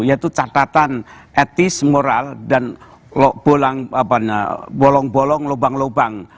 yaitu catatan etis moral dan bolong bolong lubang lubang